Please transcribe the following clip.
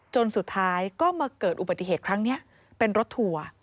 จนสุดท้ายก็มาเกิดอุบัติเหตุครั้งนี้เป็นรถทัวร์